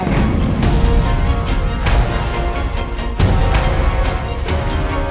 tante aku mau pergi